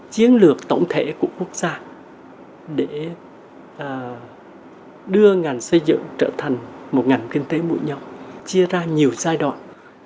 chiến lược tổng thể của quốc gia để đưa ngành xây dựng trở thành một ngành kinh tế mũi nhau chia ra nhiều giai đoạn